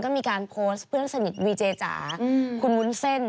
ก็มีการโพสต์เพื่อนสนิทวีเจจ๋าคุณวุ้นเส้น